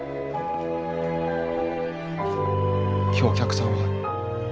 今日お客さんはまさか。